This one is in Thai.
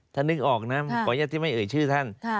ถ้านึกออกนะขออนุญาตที่ไม่เอ่ยชื่อท่าน